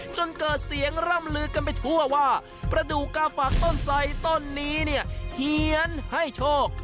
จนเกิดเสียงร่ำลือกันไปทั่วว่าประดูกกาฝากต้นไสต้นนี้เนี่ยเขียนให้โชค